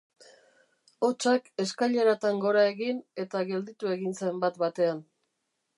Hotsak eskaileretan gora egin, eta gelditu egin zen bat-batean.